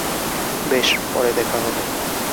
বেশ, পরে দেখা হবে।